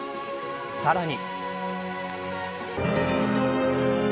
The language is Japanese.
さらに。